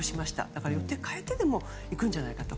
だから、予定を変えてでも行くんじゃないかと。